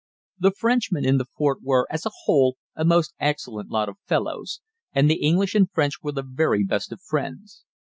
The Frenchmen in the fort were, as a whole, a most excellent lot of fellows, and the English and French were the very best of friends.